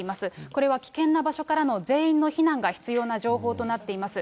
これは危険な場所からの全員の避難が必要な情報となっています。